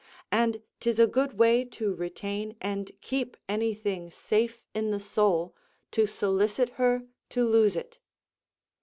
And 'tis a good way to retain and keep any thing safe in the soul to solicit her to lose it.